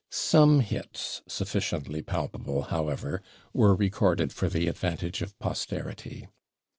Some hits sufficiently palpable, however, were recorded for the advantage of posterity.